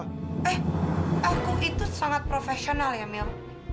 eh aku itu sangat profesional ya mil